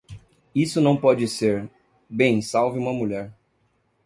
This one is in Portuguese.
Isso não pode ser, bem salve uma mulher.